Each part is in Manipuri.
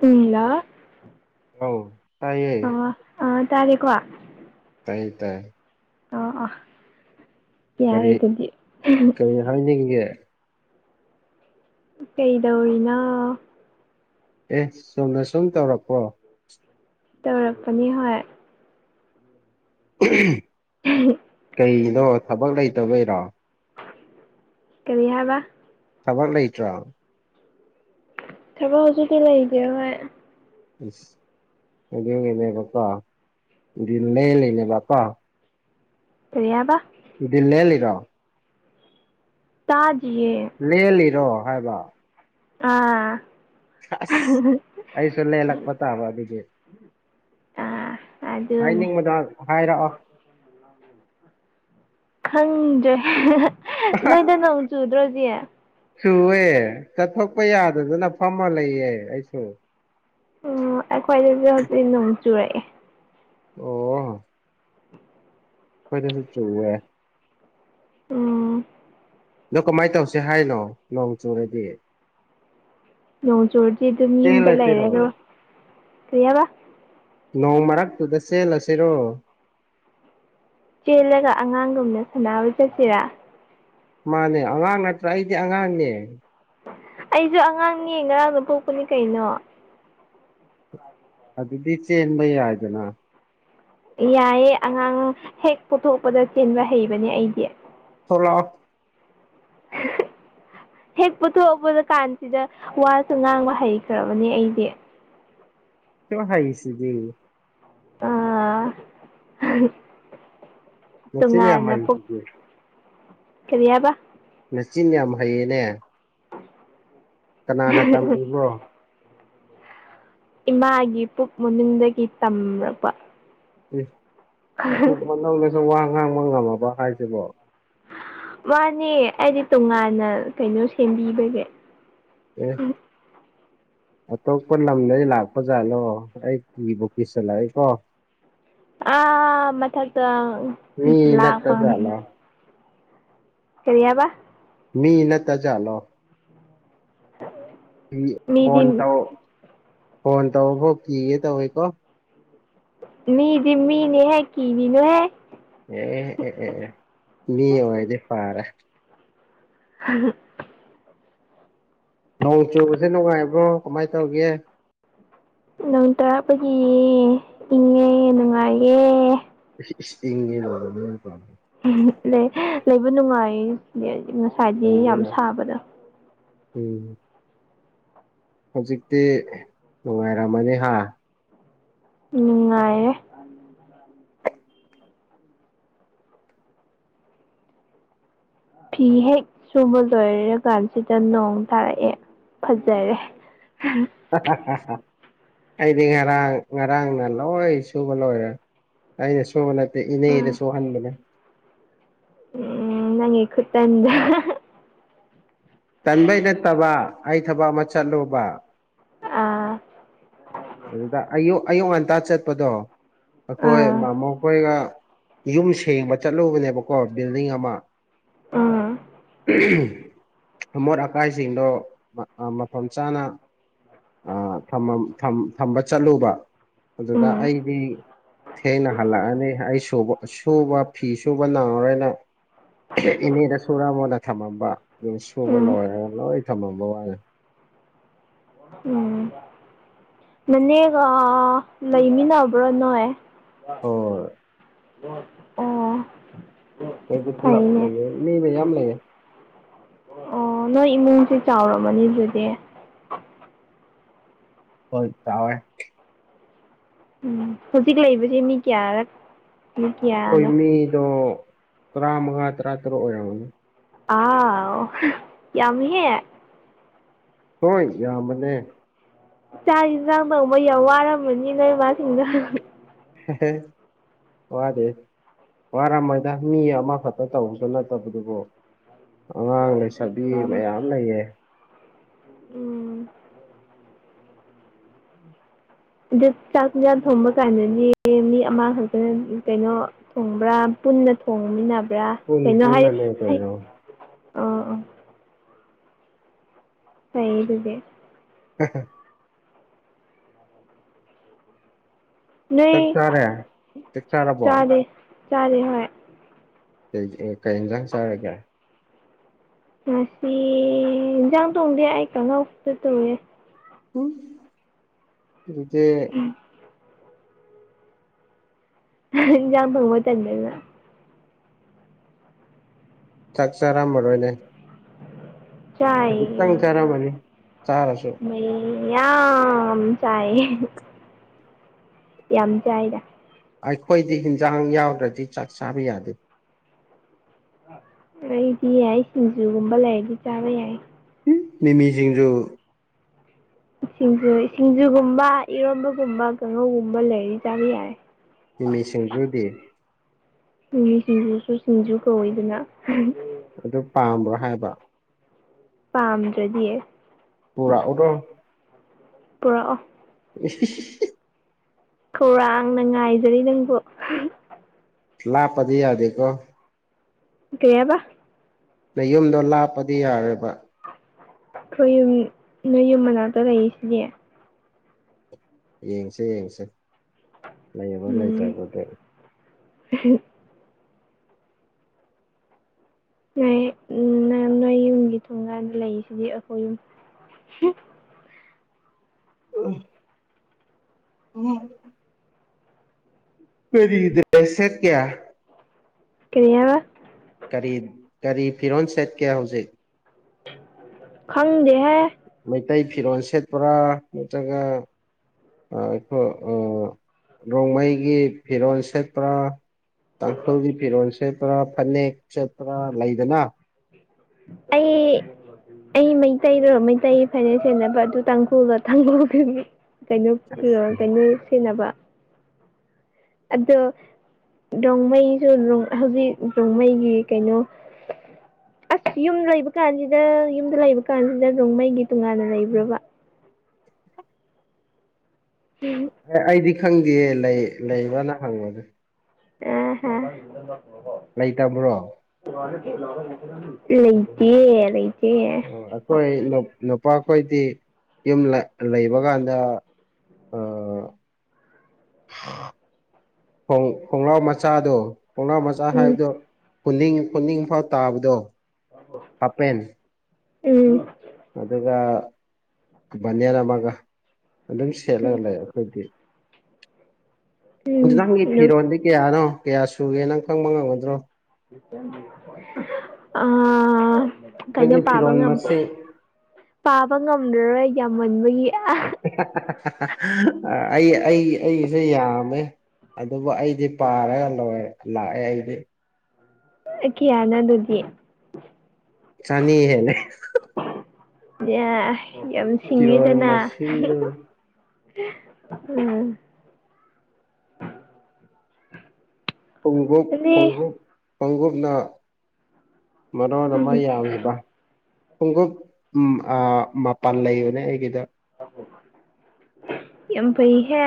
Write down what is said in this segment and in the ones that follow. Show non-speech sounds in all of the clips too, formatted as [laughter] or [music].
ꯍꯨꯏꯂꯥ ꯑꯧ ꯇꯥꯏꯌꯦ ꯑꯣ ꯑ ꯇꯥꯔꯦꯀꯣ ꯇꯥꯏꯌꯦ ꯇꯥꯏ ꯑꯥ ꯑꯥ ꯌꯥꯔꯦ ꯀꯔꯤ ꯑꯗꯨꯗꯤ ꯀꯔꯤ ꯍꯥꯏꯅꯤꯡꯒꯦ ꯀꯩꯗꯧꯔꯤꯅꯣ ꯑꯦ ꯆꯨꯝꯅ ꯁꯨꯝ ꯇꯧꯔꯛꯄꯣ ꯇꯧꯔꯛꯄꯅꯤ ꯍꯣꯏ [unintelligible] [unintelligible] ꯀꯩꯒꯤꯅꯣ ꯊꯕꯛ ꯂꯩꯇꯕꯩꯔꯣ ꯀꯔꯤ ꯍꯥꯏꯕ ꯊꯕꯔ ꯂꯩꯇ꯭ꯔꯣ ꯊꯕ ꯍꯧꯖꯤꯛꯇꯤ ꯂꯩꯇꯦ ꯍꯣꯏ ꯑꯗꯨꯒꯤꯅꯦꯕꯀꯣ ꯗꯤꯟ ꯂꯦꯜꯂꯤꯅꯦꯕ ꯀꯣ ꯀꯔꯤ ꯌꯥꯕ ꯗꯤꯜ ꯂꯦꯜꯂꯤꯔꯣ ꯇꯥꯗꯤꯌꯦ ꯂꯦꯜꯂꯤꯔꯣ ꯍꯥꯏꯕ ꯑꯥ ꯑꯁ ꯑꯩꯁꯨ ꯂꯦꯜꯂꯛꯄꯇꯕ ꯑꯗꯨꯗꯤ ꯑꯥ ꯍꯥꯏꯅꯤꯡꯕꯗꯣ ꯍꯥꯏꯔꯛꯑꯣ ꯈꯪꯗꯦ ꯅꯣꯏꯗ ꯅꯪ ꯁꯨꯗ꯭ꯔꯣꯖꯤ ꯆꯨꯑꯦ ꯆꯠꯊꯣꯛꯄ ꯌꯥꯗꯗꯅ ꯐꯝꯃ ꯂꯩꯌꯦ ꯑꯩꯁꯨ ꯎꯝ ꯑꯩꯈꯣꯏꯗꯁꯨ ꯍꯧꯖꯤꯛ ꯅꯣꯡ ꯆꯨꯔꯛꯑꯦ ꯑꯣ ꯑꯈꯣꯏꯗꯁꯨ ꯆꯨꯋꯦ ꯎꯝ ꯑꯗꯣ ꯀꯃꯥꯏ ꯇꯧꯁꯦ ꯍꯥꯏꯅꯣ ꯅꯣꯡ ꯆꯨꯨꯔꯗꯤ ꯅꯣꯡ ꯆꯨꯔꯗꯤ ꯑꯗꯨꯝ ꯌꯨꯝꯗ ꯆꯦꯜꯂꯁꯤꯔꯣ ꯂꯩꯔꯦꯒ꯭ꯔꯣ ꯀꯩꯍꯥꯏꯕ ꯅꯣꯡ ꯃꯔꯛꯇꯨꯗ ꯆꯦꯜꯂꯁꯤꯔꯣ ꯆꯦꯜꯂꯒ ꯑꯉꯥꯡꯒꯨꯝꯅ ꯁꯥꯟꯅꯕ ꯆꯠꯁꯤꯔꯥ ꯃꯥꯅꯦ ꯑꯉꯥꯡ ꯅꯠꯇ꯭ꯔꯥ ꯑꯩꯗꯤ ꯑꯉꯥꯡꯅꯦ ꯑꯩꯁꯨ ꯑꯉꯥꯡꯅꯦ ꯉꯔꯥꯡꯅ ꯄꯣꯛꯄꯅꯤ ꯀꯩꯅꯣ ꯑꯗꯨꯗꯤ ꯆꯦꯟꯕ ꯌꯥꯏꯗꯅ ꯌꯥꯏꯌꯦ ꯑꯉꯥꯡ ꯍꯦꯛ ꯄꯨꯊꯣꯛꯄꯗ ꯆꯦꯟꯕ ꯍꯩꯕꯅꯦ ꯑꯩꯗꯤ ꯊꯣꯛꯂꯛꯑꯣ ꯍꯦꯛ ꯄꯨꯊꯣꯛꯛꯄ ꯀꯥꯟꯁꯤꯗ ꯋꯥꯁꯨ ꯉꯥꯡꯕ ꯍꯩꯈ꯭ꯔꯕꯅꯦ ꯑꯩꯗꯤ ꯁꯨꯛ ꯍꯩꯁꯤꯗꯤ ꯑꯥ ꯅꯆꯤꯟ ꯌꯥꯝ ꯇꯣꯉꯥꯟꯅ ꯄꯣꯛ ꯍꯩꯁꯤꯗꯤ ꯀꯔꯤ ꯍꯥꯏꯕ ꯅꯆꯤꯟ ꯌꯥꯝ ꯍꯩꯌꯦꯅꯦ ꯀꯅꯥꯅ ꯇꯝꯕꯤꯕ꯭ꯔꯣ ꯏꯃꯥꯒꯤ ꯄꯨꯛ ꯃꯅꯨꯡꯟꯗꯒꯤ ꯇꯝꯔꯛꯄ ꯄꯨꯛ ꯃꯅꯨꯡꯗꯁꯨ ꯋꯥ ꯉꯥꯡꯕ ꯉꯝꯃꯕꯣ ꯍꯥꯏꯁꯤꯕꯣ ꯃꯥꯅꯦ ꯑꯩꯗꯤ ꯇꯣꯉꯥꯟꯅ ꯀꯩꯅꯣ ꯁꯦꯝꯕꯤꯕꯒꯦ ꯑꯦ ꯑꯇꯣꯞꯄ ꯂꯝꯗꯒꯤ ꯂꯥꯛꯄ ꯖꯥꯠꯂꯣ ꯑꯩ ꯀꯤꯕꯨ ꯀꯤꯁꯤꯜꯂꯛꯑꯦꯀꯣ ꯑꯥ ꯃꯊꯛꯇ ꯃꯤ ꯅꯠꯇ ꯂꯥꯛꯄꯅꯤ ꯖꯥꯠꯂꯣ ꯀꯔꯤ ꯍꯥꯏꯕ ꯃꯤ ꯅꯠꯇꯖꯥꯠꯜꯣ ꯏ ꯐꯣꯟ ꯃꯤꯗꯤ ꯇꯧ ꯐꯣꯟ ꯇꯧꯑꯣꯀꯣ ꯀꯤꯒꯦ ꯇꯧꯋꯦꯀꯣ ꯃꯤꯗꯤ ꯃꯤꯅꯤꯍꯦ ꯀꯤꯒꯤꯅꯨ ꯍꯦ ꯑꯦ ꯑꯦ ꯑꯦ ꯑꯦ ꯑꯦ ꯃꯤ ꯑꯣꯏꯔꯗꯤ ꯐꯔꯦ ꯫ [unintelligible] ꯅꯣꯡ ꯆꯨꯕꯖꯦ ꯅꯨꯡꯉꯥꯏꯕ꯭ꯔꯣ ꯀꯃꯥꯏ ꯇꯧꯒꯦ ꯅꯣꯡ ꯇꯥꯔꯛꯄꯒꯤ ꯏꯪꯉꯦ ꯅꯨꯡꯉꯥꯏꯌꯦ ꯏꯁ ꯏꯁ ꯏꯪꯉꯦ [unintelligible] [unintelligible] ꯂꯩ ꯂꯩꯕ ꯅꯨꯡꯉꯥꯏꯌꯦ ꯏꯪꯉ ꯂꯩꯕꯅ ꯎꯝ ꯍꯧꯖꯤꯛꯇꯤ ꯅꯨꯡꯉꯥꯏꯔꯝꯃꯅꯤ ꯍꯥ ꯅꯨꯡꯉꯥꯏꯌꯦ [unintelligible] [inaudible] ꯐꯤ ꯍꯦꯛ ꯁꯨꯕ ꯂꯣꯏꯔ ꯀꯥꯟꯁꯤꯗ ꯅꯣꯡ ꯊꯥꯔꯛꯑꯦ ꯐꯖꯔꯦ [unintelligible] ꯍꯍꯍꯍꯍꯍ ꯑꯩꯗꯤ ꯉꯔꯥꯡ ꯉꯔꯥꯡꯅ ꯂꯣꯏ ꯁꯨꯕ ꯂꯣꯏꯒ꯭ꯔꯦ ꯑꯩꯅ ꯁꯨꯕꯅ ꯏꯅꯦꯗ ꯎꯝ ꯁꯨꯍꯟꯕꯅꯦ ꯎꯝ ꯅꯪꯒꯤ ꯈꯨꯠꯇꯟꯗꯣ ꯇꯟꯕꯩ ꯅꯠꯇꯕ ꯑꯩ ꯊꯕꯛ ꯑꯃꯥ ꯆꯠꯂꯨꯕ ꯑꯥ ꯑꯗꯨꯗ ꯑꯌꯨꯛ ꯑꯌꯨꯛ ꯉꯟꯇꯥ ꯆꯠꯄꯗꯣ ꯑꯩꯈꯣꯏ ꯑꯥ ꯃꯥ ꯃꯣꯈꯣꯏꯒ ꯌꯨꯝ ꯁꯦꯡꯕ ꯆꯠꯂꯨꯕꯅꯦꯕ ꯀꯣ ꯕꯤꯜꯗꯤꯡ ꯑꯃꯥ ꯎꯝ [unintelligible] ꯑꯃꯣꯠ ꯑꯀꯥꯏꯁꯤꯡꯗꯣ ꯃꯐꯝ ꯃꯐꯝ ꯆꯥꯅ ꯑ ꯊꯝꯃꯝ ꯊꯝ ꯊꯝꯕ ꯆꯠꯂꯨꯕ ꯑꯗꯨꯗ ꯎꯝ ꯑꯩꯗꯤ ꯊꯦꯡꯅ ꯍꯜꯂꯛꯑꯅꯤ ꯑꯩ ꯁꯨꯕ ꯁꯨꯕ ꯐꯤ ꯁꯨꯕ ꯅꯪꯉꯔꯣꯏ ꯅꯪ ꯏꯅꯦꯗ ꯁꯨꯔꯝꯃꯣꯅ ꯊꯝꯃꯝꯕ ꯐꯤ ꯁꯨꯕ ꯎꯝ ꯂꯣꯏꯔꯒ ꯂꯣꯏ ꯊꯝꯃꯝꯕ ꯋꯥꯅꯦ ꯎꯝ ꯅꯅꯦꯒ ꯂꯩꯃꯤꯟꯅꯕ꯭ꯔꯥ ꯅꯣꯏ ꯍꯣꯏ [unintelligible] ꯑꯩꯗꯤ ꯄꯨꯂꯞ ꯐꯩꯅꯦ ꯂꯩꯌꯦ ꯃꯤ ꯃꯌꯥꯝ ꯂꯩꯌꯦ ꯑꯣ ꯅꯣꯏ ꯏꯃꯨꯡꯁꯤ ꯆꯥꯎꯔꯝꯃꯅꯤ ꯑꯗꯨꯗꯤ ꯍꯣꯏ ꯆꯥꯎꯋꯦ ꯎꯝ ꯍꯧꯖꯤꯛ ꯂꯩꯕꯗꯤ ꯃꯤ ꯀꯌꯥꯔꯥ ꯑꯩꯈꯣꯏ ꯃꯤꯗꯣ ꯇꯔꯥꯃꯉꯥ ꯇꯔꯥꯇꯔꯨꯛ ꯑꯣꯏꯔꯝꯒꯅꯤ ꯑꯥꯎ ꯌꯥꯝꯃꯤꯍꯦ ꯍꯣꯏ ꯌꯥꯝꯕꯅꯦ ꯆꯥꯛ ꯏꯟꯖꯥꯡ ꯊꯣꯡꯕ ꯌꯥꯝ ꯋꯥꯔꯝꯃꯅꯤ ꯅꯣꯏ ꯏꯃꯥꯁꯤꯡꯗꯣ [unintelligible] ꯋꯥꯗꯦ ꯋꯥꯔꯝꯃꯣꯏꯗ ꯃꯤ ꯑꯃꯥ ꯈꯛꯇ ꯇꯧꯕꯁꯨ ꯅꯠꯇꯕꯗꯨꯕꯨ ꯑꯉꯥꯡ ꯂꯩꯁꯕꯤ ꯎꯝ ꯃꯌꯥꯝ ꯂꯩꯌꯦ ꯎꯝ ꯑꯗꯨ ꯆꯥꯛ ꯏꯟꯖꯥꯡ ꯊꯣꯡꯕ ꯀꯥꯟꯗꯗꯤ ꯃꯤ ꯑꯃ ꯈꯛꯇꯅꯤ ꯀꯩꯅꯣ ꯊꯣꯡꯕ꯭ꯔꯥ ꯄꯨꯟꯅ ꯊꯣꯡꯃꯤꯟꯅꯕ꯭ꯔꯥ ꯄꯨꯟ ꯀꯩꯅꯣ ꯍꯥꯏꯌꯨ ꯄꯨꯟꯅꯅꯦ ꯍꯥꯏꯌꯨ ꯀꯩꯅꯣ ꯑ ꯄꯩ ꯑꯗꯨꯗꯤ ꯍ ꯍ ꯅꯣꯏ ꯆꯥꯛ ꯆꯥꯔꯦ ꯆꯥꯛ ꯆꯥꯔꯕꯣ ꯆꯥꯔꯦ ꯆꯥꯔꯦ ꯍꯣꯏ ꯀꯩ ꯀꯩ ꯀꯩ ꯏꯟꯖꯥꯡ ꯆꯥꯔꯒꯦ ꯉꯁꯤ ꯏꯟꯖꯥꯡ ꯊꯣꯡꯗꯦ ꯑꯩ ꯀꯥꯉꯧ ꯈꯤꯇꯥ ꯇꯧꯋꯦ ꯍꯨꯝ ꯎꯗꯦ ꯎꯝ ꯏꯟꯖꯥꯡ ꯊꯣꯡꯕ ꯇꯟꯕꯩꯔꯣ ꯆꯥꯛ ꯆꯥꯔꯝꯃꯔꯣꯏꯅꯦ ꯆꯥꯏ ꯈꯖꯤꯛꯇꯪ ꯆꯥꯔꯝꯃꯅꯤ ꯆꯥꯔꯁꯨ ꯃꯌꯥꯝ ꯆꯥꯏꯌꯦ ꯌꯥꯝ ꯆꯥꯏꯗ ꯑꯩꯈꯣꯏꯗꯤ ꯍꯤꯟꯖꯥꯡ ꯌꯥꯎꯗ꯭ꯔꯗꯤ ꯆꯥꯛ ꯆꯥꯕ ꯌꯥꯗꯦ ꯑꯩꯗꯤ ꯌꯥꯏ ꯁꯤꯡꯖꯨꯒꯨꯝꯕ ꯂꯩꯔꯗꯤ ꯆꯥꯕ ꯌꯥꯏ ꯍꯨꯝ ꯃꯤꯃꯤ ꯁꯤꯡꯖꯨ ꯁꯤꯡꯖꯨ ꯁꯤꯡꯖꯨꯒꯨꯝꯕ ꯏꯔꯣꯟꯕꯒꯨꯝꯕ ꯀꯥꯉꯧꯒꯨꯝꯕ ꯂꯩꯔꯗꯤ ꯆꯥꯕ ꯌꯥꯔꯦ ꯃꯤꯃꯤꯁꯤꯡꯖꯨꯗꯤ ꯃꯤꯒꯤ ꯁꯤꯡꯖꯨꯁꯨ ꯁꯤꯡꯖꯨ ꯀꯧꯋꯤꯗꯅ ꯑꯗꯨ ꯄꯥꯝꯕ꯭ꯔꯣ ꯍꯥꯏꯕ ꯄꯥꯝꯗ꯭ꯔꯗꯤ ꯄꯨꯔꯥ ꯑꯣꯗꯣ ꯄꯨꯔꯛꯑꯣ ꯏꯁ ꯏꯁ ꯈꯧꯔꯥꯡꯅ ꯉꯥꯏꯖꯔꯤ ꯅꯪꯕꯨ ꯂꯥꯛꯄꯗꯤ ꯌꯥꯗ‌ꯦꯀꯣ ꯀꯩ ꯍꯥꯏꯕ ꯅꯌꯨꯝꯗꯣ ꯂꯥꯞꯄꯗꯤ ꯌꯥꯔꯣꯏꯕ ꯈꯣꯏ ꯌꯨꯝ ꯅꯣꯏ ꯌꯨꯝ ꯃꯅꯥꯛꯇ ꯂꯩꯏꯁꯤꯗꯤ ꯌꯦꯡꯁꯦ ꯌꯦꯡꯁꯦ ꯂꯩꯕ ꯂꯩꯇ꯭ꯔꯕ [unintelligible] ꯎ ꯅꯣꯏ ꯅꯪ ꯅꯣꯏ ꯌꯨꯝꯒꯤ ꯊꯣꯡꯒꯥꯟꯗ ꯂꯩꯏꯁꯤꯗꯤ ꯑꯈꯣꯏ ꯌꯨꯝ ꯎꯝ [unintelligible] ꯀꯔꯤ [inaudible] ꯁꯦꯠ ꯀ‌ꯦ ꯀꯔꯤ ꯍꯥꯏꯕ ꯀꯔꯤ ꯀꯔꯤ ꯐꯤꯔꯣꯟ ꯁꯦꯠꯀꯦ ꯍꯧꯖꯤꯛ ꯈꯪꯗꯦꯍꯦ ꯃꯩꯇꯩ ꯐꯤꯔꯣꯟ ꯁꯦꯠꯄ꯭ꯔꯥ ꯅꯠꯇ꯭ꯔꯒ ꯑ ꯈꯣꯏ ꯑ ꯔꯣꯡꯃꯩꯒꯤ ꯐꯤꯔꯣꯟ ꯁꯦꯠꯄ꯭ꯔꯥ ꯇꯥꯡꯈꯨꯜꯒꯤ ꯐꯤꯔꯣꯟ ꯁꯦꯠꯄ꯭ꯔꯥ ꯐꯅꯦꯛ ꯁꯦꯠꯄ꯭ꯔꯥ ꯂꯩꯗꯅ ꯑꯩ ꯑꯩ ꯃꯩꯇꯩꯔ‌ꯣ ꯃꯩꯇꯩ ꯐꯅ‌ꯦꯛ ꯁ‌ꯦꯠꯅꯕ ꯑꯗꯨ ꯇꯥꯡꯈꯨꯜꯒ [unintelligible] ꯀꯩꯅꯣ ꯀ ꯑꯦ ꯀꯩꯅꯣ ꯁꯦꯠꯅꯕ ꯑꯗꯣ ꯔ‌ꯣꯡꯃꯩꯁꯨ ꯔ‌ꯣꯡ ꯍꯧꯖꯤꯛ ꯔ‌ꯣꯡꯃꯩꯒꯤ ꯀꯩꯅꯣ ꯑꯁ ꯌꯨꯝ ꯂꯩꯕ ꯀꯥꯟꯁꯤꯗ ꯌꯨꯝꯗ ꯂꯩꯕ ꯀꯥꯟꯁꯤꯗ ꯔ‌ꯣꯡꯃꯩꯒꯤ ꯇꯣꯉꯥꯟꯅ ꯂꯩꯕ꯭ꯔ‌ꯣꯕ ꯎꯝ ꯑꯦ ꯑꯩꯗꯤ ꯈꯪꯗꯤꯌ‌ꯦ ꯂꯩ ꯂꯩꯕ꯭ꯔꯅ ꯍꯪꯕꯅ‌ꯦ ꯑꯦ ꯍꯥ ꯂꯩꯇꯕ꯭ꯔꯣ [unintelligible] ꯂꯩꯇ‌ꯦꯌ‌ꯦ ꯂꯩꯇꯦ ꯑꯈꯣꯏ ꯅꯨ ꯅꯨꯄꯥꯈꯣꯏꯗꯤ ꯌꯨꯝ ꯂ ꯂꯩꯕ ꯀꯥꯟꯗ ꯎꯝ ꯈ‌ꯣꯡ ꯈꯣꯡꯔꯥꯎ ꯃꯆꯥꯗꯣ ꯈꯣꯡꯔꯥꯎ ꯃꯆꯥ ꯎꯝ ꯍꯥꯏꯕꯗꯣ ꯈꯨꯅꯤꯡ ꯈꯨꯅꯤꯡꯐꯥꯎ ꯇꯥꯕꯗꯣ ꯍꯥꯄꯦꯟ ꯎꯝ ꯑꯗꯨꯒ ꯚꯅ‌ꯦꯜ ꯑꯃꯒ ꯑꯗꯨꯝ ꯁꯦꯠꯂꯒ ꯂꯩ ꯑꯈꯣꯏꯗꯤ ꯎꯝ ꯍꯨꯖꯤꯛ ꯅꯪꯒꯤ ꯎꯝ ꯐꯤꯔꯣꯟꯗꯤ ꯀꯌꯥꯅꯣ ꯀꯌꯥ ꯁꯨꯌ‌ꯦ ꯅꯪ ꯈꯪꯕ ꯉꯝꯒꯗ꯭ꯔꯣ ꯑꯥ ꯀꯩꯅꯣ ꯅꯪꯒꯤ ꯄꯥꯕ ꯐꯤꯔꯣꯟ ꯉꯝ ꯃꯁꯤꯡ ꯄꯥꯕ ꯉꯝꯂꯔꯣꯏ ꯌꯥꯝꯃꯟꯕꯒꯤ ꯑ ꯑ ꯑꯩ ꯑꯩ ꯑꯩꯁꯦ ꯌꯥꯝꯃꯦ ꯑꯗꯨꯕꯨ ꯑꯩꯗꯤ ꯄꯥꯔꯒ ꯂꯣꯏ ꯂꯥꯛꯑꯦ ꯑꯩꯗꯤ [unintelligible] ꯀꯤꯌꯥꯅ‌ꯣ ꯗꯨꯗꯤ ꯆꯅꯤ ꯍꯦꯜꯂ‌ꯦ ꯌꯥ ꯌꯥꯝ ꯐꯤꯔꯣꯜ ꯁꯤꯡꯉꯤꯗꯅ ꯃꯁꯤꯡꯗꯨ ꯑꯥ ꯍꯧꯖꯤꯛꯐꯧ ꯈꯣꯡꯎꯞ ꯈꯣꯡꯎꯞꯅ ꯃꯔ‌ꯣꯟ ꯑꯃ ꯎꯝ ꯌꯥꯝꯃꯤꯕ ꯈꯣꯡꯎꯞ ꯎꯝ ꯑꯥ ꯃꯄꯥꯟ ꯂꯩꯕꯅꯦ ꯑꯩꯒꯤꯗ‌ꯣ ꯌꯥꯝ ꯐꯩꯍꯦ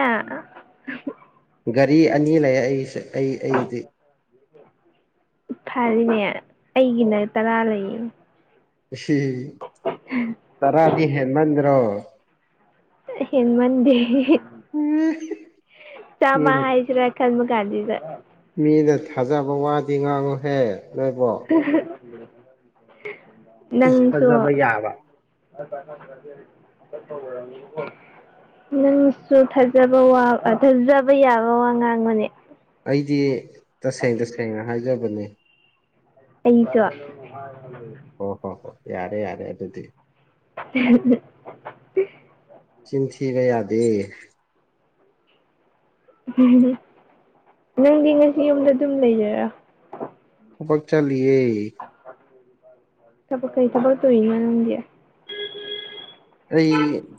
ꯒꯥꯔꯤ ꯑꯅꯤ ꯂꯩꯌꯦ ꯑꯩꯒꯤꯁꯦ ꯑꯩ ꯑꯩꯒꯤꯗꯤ ꯐꯔꯤꯅꯦ ꯑꯩꯒꯤꯅ ꯇꯔꯥ ꯂꯩꯌꯦ ꯑꯁꯤ ꯇꯔꯥꯗꯤ ꯍꯦꯟꯃꯟꯗ꯭ꯔꯣ ꯍꯦꯟꯃꯟꯗꯦ ꯆꯥꯝꯃ ꯃꯤꯅ ꯍꯥꯏꯁꯤꯔꯥ ꯈꯟꯕ ꯀꯥꯟꯖꯤꯗ ꯃꯤꯅ ꯊꯥꯖꯕ ꯋꯥꯗꯤ ꯉꯥꯡꯉꯨꯍꯦ ꯅꯣꯏꯕꯣ ꯅꯪꯁꯨ [unintelligible] ꯐꯖꯕ ꯌꯥꯕ ꯅꯪꯁꯨ ꯊꯥꯖꯕ ꯋꯥ ꯑ ꯊꯥꯖꯕ ꯌꯥꯕ ꯋꯥ ꯉꯥꯡꯉꯨꯅꯦ ꯑꯩꯗꯤ ꯇꯁꯦꯡ ꯇꯁꯦꯡꯅ ꯍꯥꯏꯖꯕꯅꯦ ꯑꯩꯁꯨ [unintelligible] ꯑꯣ ꯍꯣ ꯍꯣ‌ ꯌꯥꯔꯦ ꯌꯥꯔꯦ ꯑꯗꯨꯗꯤ [unintelligible] ꯆꯤꯟ ꯊꯤꯕ ꯌꯥꯗꯦ ꯅꯪꯗꯤ ꯉꯁꯤ ꯌꯨꯝꯗ ꯑꯗꯨꯝ ꯂꯩꯗꯣꯏꯔꯣ ꯊꯕꯛ ꯆꯠꯂꯤꯌꯦ ꯊꯕꯛ ꯀꯩ ꯊꯕꯛ ꯇꯧꯋꯤꯅꯣ ꯅꯪꯗꯤ ꯑꯩ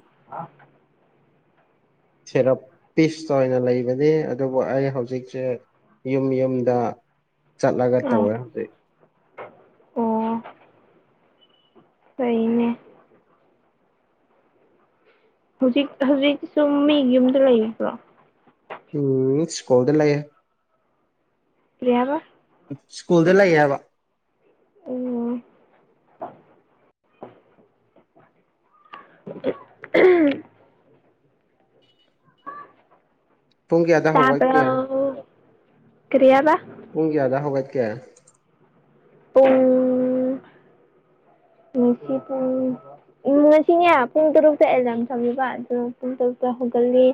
ꯁꯦꯔꯞ ꯄꯤꯁꯇ ꯑꯣꯏꯅ ꯂꯩꯕꯅꯤ ꯑꯗꯨꯕꯨ ꯑꯩ ꯍꯧꯖꯤꯛꯁꯦ ꯌꯨꯝ ꯌꯨꯝꯗ ꯆꯠꯂꯒ ꯑꯥ ꯇꯧꯋꯦ ꯍꯧꯖꯤꯛ ꯑꯣ ꯐꯩꯅꯦ ꯍꯧꯖꯤꯛ ꯍꯧꯖꯤꯛ ꯁꯨꯝ ꯃꯤꯒꯤ ꯌꯨꯝꯗ ꯂꯩꯕ꯭ꯔꯣ ꯎꯝ ꯁ꯭ꯀꯣꯜꯗ ꯂꯩꯌꯦ ꯀ꯭ꯔꯤ ꯍꯥꯏꯕ ꯁ꯭ꯀꯨꯜꯗ ꯂꯩ ꯍꯥꯏꯕ ꯑꯣ [unintelligible] ꯄꯨꯡ ꯀꯌꯥꯗ ꯇꯥꯕ꯭ꯔꯣ ꯍꯧꯒꯠꯀꯦ ꯀꯔꯤ ꯍꯥꯏꯕ ꯄꯨꯡ ꯀꯌꯥꯗ ꯍꯧꯒꯠꯀꯦ ꯄꯨꯡ ꯉꯁꯤ ꯄꯨꯡ ꯎꯝ‌ ꯉꯁꯤꯅꯦ ꯄꯨꯡ ꯇꯔꯨꯛꯇ ꯑꯦꯂꯥ꯭ꯔꯝ ꯊꯝꯃꯤꯕ ꯑꯗꯨ ꯄꯨꯡ ꯇꯔꯨꯛꯇ ꯍꯧꯒꯠꯂꯤ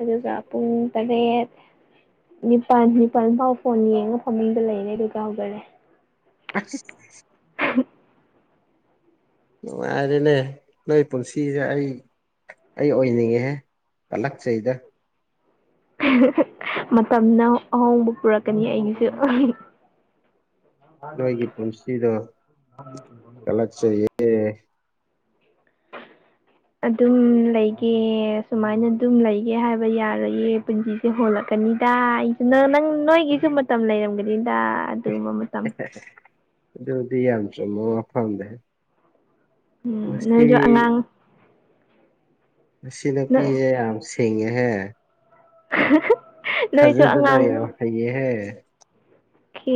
ꯑꯗꯨꯒ ꯄꯨꯡ ꯇꯔꯦꯠ ꯅꯤꯄꯥꯟ ꯅꯤꯄꯥꯟ ꯐꯥꯎ ꯐꯣꯟ ꯌꯦꯡꯉ ꯐꯃꯨꯡꯗ ꯂꯩꯔꯦ ꯑꯗꯨꯒ ꯍꯧꯒꯠꯂꯦ [unintelligible] [unintelligible] ꯅꯨꯡꯉꯥꯏꯔꯦꯅꯦ ꯅꯣꯏ ꯄꯨꯟꯁꯤꯖꯦ ꯑꯩ ꯑꯩ ꯑꯣꯏꯅꯤꯡꯉꯦꯍꯦ ꯀꯜꯂꯛꯆꯩꯗ ꯃꯇꯝꯅ ꯑꯍꯣꯡꯕ ꯄꯨꯔꯛꯀꯅꯤ ꯑꯩꯒꯤꯁꯨ ꯅꯣꯏꯒꯤ ꯄꯨꯟꯁꯤꯗꯣ ꯀꯜꯂꯛꯆꯩꯍꯦ ꯑꯗꯨꯝ ꯂꯩꯒꯦ ꯁꯨꯃꯥꯏꯅ ꯑꯗꯨꯝ ꯂꯩꯒꯦ ꯍꯥꯏꯕ ꯌꯥꯔꯣꯏꯌꯦ ꯄꯨꯟꯁꯤꯁꯦ ꯍꯣꯡꯂꯛꯀꯅꯤꯗꯥ ꯑꯩꯁꯨ ꯅꯪ ꯅꯪ ꯅꯣꯏꯒꯤꯁꯨ ꯃꯇꯝ ꯂꯩꯔꯝꯒꯅꯤꯗꯥ ꯑꯗꯨꯝꯕ ꯃ ꯑꯗꯨꯗꯤ ꯌꯥꯝ ꯆꯨꯝꯕ ꯋꯥꯐꯝꯅꯦ ꯎꯝ ꯃꯁꯤ ꯅꯣꯏꯖꯨ ꯑꯉꯥꯡ ꯃꯁꯤ ꯅꯨꯄꯤꯖꯦ ꯌꯥꯝ ꯁꯤꯡꯉꯦꯍꯦ [unintelligible] ꯊꯥꯖꯗꯅ ꯌꯥꯝ ꯑꯉꯥꯡ ꯍꯩꯌꯦꯍꯦ ꯈꯤ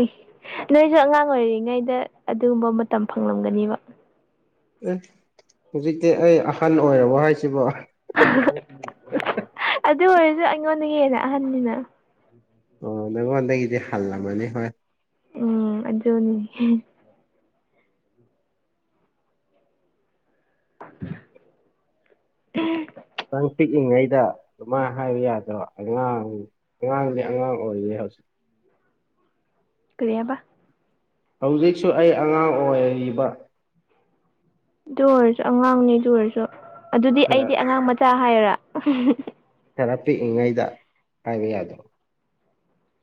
ꯅꯣꯏꯁꯨ ꯑꯉꯥꯡ ꯑꯣꯏꯔꯤꯉꯩꯗ ꯑꯗꯨꯝꯕ ꯃꯇꯝ ꯐꯪꯂꯝꯒꯅꯤꯕ ꯑꯦ ꯍꯨꯖꯤꯛꯇꯤ ꯑꯩ ꯑꯥꯍꯟ ꯑꯣꯏꯔꯕꯣ ꯍꯥꯏꯁꯤꯕꯣ [unintelligible] ꯑꯗꯨ ꯑꯣꯏꯔꯖꯨ ꯑꯩꯉꯣꯟꯗꯒꯤ ꯍꯦꯟꯅ ꯑꯍꯟꯅꯤꯅ ꯑꯣ ꯅꯉꯣꯟꯗꯒꯤꯗꯤ ꯍꯜꯂꯝꯃꯅꯤ ꯍꯣꯏ ꯎꯝ ꯑꯗꯨꯅꯤ [inaudible] ꯅꯪ ꯄꯤꯛꯏꯉꯩꯗ ꯑꯗꯨꯃꯥꯏ ꯍꯥꯏꯌꯨ ꯌꯥꯗ꯭ꯔꯣ ꯑꯉꯥꯡ ꯑꯉꯥꯡꯗꯤ ꯑꯉꯥꯡ ꯑꯣꯏꯔꯤꯌꯦ ꯍꯧꯖꯤ ꯀꯔꯤ ꯍꯥꯕ ꯍꯧꯖꯤꯛꯁꯨ ꯑꯩ ꯑꯉꯥꯡ ꯑꯣꯏꯔꯤꯕ ꯗꯨ ꯑꯣꯏꯔꯁꯨ ꯑꯉꯥꯡꯅꯤ ꯑꯗꯨ ꯑꯣꯏꯔꯁꯨ ꯑꯗꯨꯗꯤ ꯈꯔ ꯑꯩꯗꯤ ꯑꯉꯥꯡ ꯃꯆꯥ ꯍꯥꯏꯌꯣꯔ ꯈꯔ ꯄꯤꯛꯏꯉꯩꯗ ꯍꯥꯏꯕ ꯌꯥꯗ꯭ꯔꯣ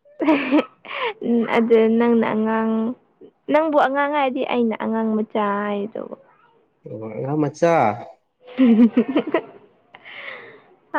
[unintelligible] ꯎꯝ ꯑꯗꯨ ꯅꯪꯅ ꯑꯉꯥꯡ ꯅꯪꯕꯨ ꯑꯉꯥꯡ ꯍꯥꯏꯗꯤ ꯑꯩꯅ ꯑꯉꯥꯡ ꯃꯆꯥ ꯍꯥꯏꯔꯤꯗꯨꯕꯨ ꯑꯣ ꯑꯉꯥꯡ ꯃꯆꯥ [unintelligible]